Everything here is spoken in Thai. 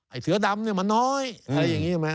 เสือดำเนี่ยมันน้อยอะไรอย่างนี้ไหม